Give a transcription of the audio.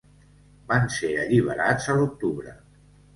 Van ser alliberats a l'octubre.